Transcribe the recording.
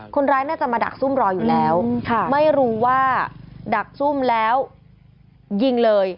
คนร้ายน่าจะมาดักซุ่มรออยู่แล้วไม่รู้ว่าดักซุ่มแล้วยิงเลย